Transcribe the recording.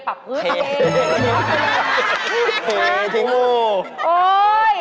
เทปะปื๊ดทิ้งมูล